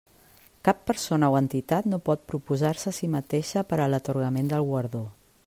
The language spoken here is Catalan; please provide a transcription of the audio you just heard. Cap persona o entitat no pot proposar-se a si mateixa per a l'atorgament del guardó.